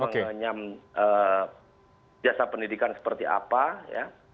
mengenyam jasa pendidikan seperti apa ya